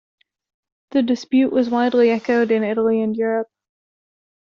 The dispute was widely echoed in Italy and Europe.